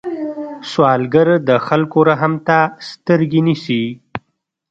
سوالګر د خلکو رحم ته سترګې نیسي